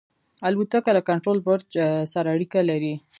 الوتکه له کنټرول برج سره اړیکه لري.